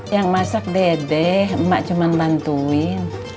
yang masak dede emak cuman bantuin